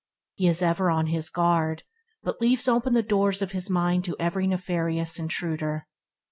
He is never on his guard, but leaves open the doors of his mind to every nefarious intruder.